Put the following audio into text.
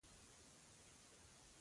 هلته مې څوارلس زده کوونکي ولیدل.